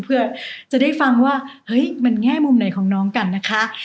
เพื่อจะได้ฟังว่าเฮ้ยมันแง่มุมไหนของน้องกันนะคะ